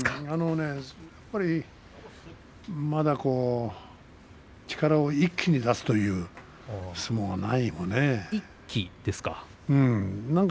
まだ力を一気に出すという相撲はないですね。